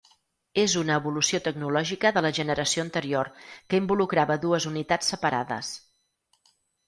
És una evolució tecnològica de la generació anterior, que involucrava dues unitats separades.